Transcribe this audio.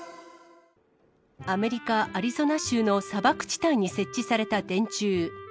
アメリカ・アリゾナ州の砂漠地帯に設置された電柱。